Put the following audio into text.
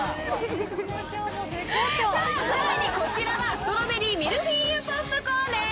更にこちらはストロベリーミルフィーユポップコーンです。